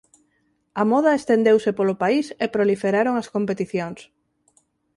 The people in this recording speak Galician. A moda estendeuse polo país e proliferaron as competicións.